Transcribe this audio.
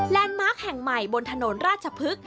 มาร์คแห่งใหม่บนถนนราชพฤกษ